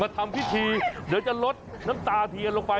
ทำพิธีเดี๋ยวจะลดน้ำตาเทียนลงไป